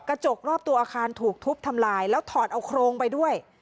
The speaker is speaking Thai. กระจกรอบตัวอาคารถูกทุบทำลายแล้วถอดเอาโครงไปด้วย